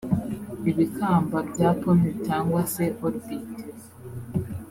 ibikamba bya pome cyangwa se orbite